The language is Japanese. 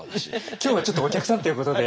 今日はちょっとお客さんということで。